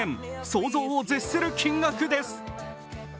想像を絶する金額です。